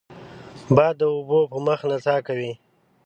باد د اوبو په مخ نڅا کوي